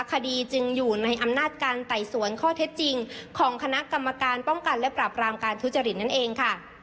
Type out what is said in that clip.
คดีจึงอยู่ในอำนาจการไต่สวนข้อเท็จจริงของคณะกรรมการป้องกันและปรับรามการทุจริตนั่นเองค่ะ